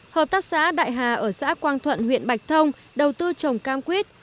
hợp tác xã đại hà ở xã quang thuận huyện bạch thông đầu tư trồng cam quýt